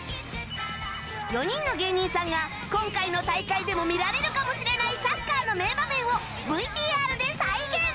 ４人の芸人さんが今回の大会でも見られるかもしれないサッカーの名場面を ＶＴＲ で再現